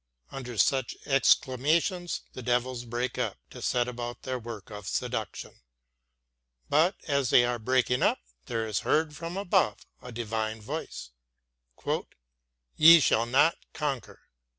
Under such exclamations the devils break up, to set about their work of seduction; but, as they are breaking up, there is heard from above a divine voice: "Ye shall not conquer."